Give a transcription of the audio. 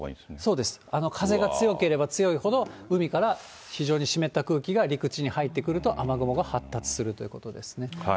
そうです、風が強ければ強いほど、海から非常に湿った空気が陸地に入ってくると、雨雲が発達するということですね。